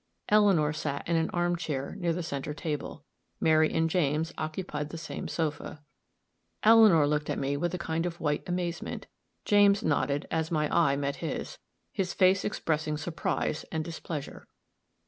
Eleanor sat in an arm chair near the center table; Mary and James occupied the same sofa. Eleanor looked at me with a kind of white amazement; James nodded as my eye met his, his face expressing surprise and displeasure.